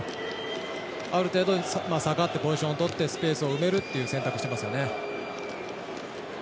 ある程度、下がってポジションをとってスペースを埋めるという選択をしていますよね。